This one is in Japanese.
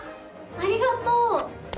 ありがとう！